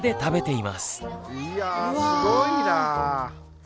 いやぁすごいな。